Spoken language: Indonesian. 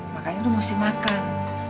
makanya lu mesti makan